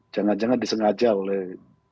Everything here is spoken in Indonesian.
jangan jangan disengaja oleh